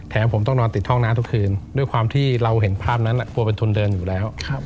ผมต้องนอนติดห้องน้ำทุกคืนด้วยความที่เราเห็นภาพนั้นกลัวเป็นทุนเดินอยู่แล้ว